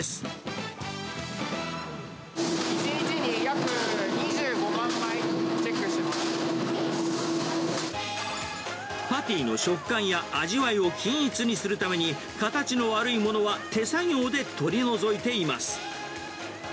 １日に約２５万枚チェックしパティの食感や味わいを均一にするために、形の悪いものは手作業で取り除いています。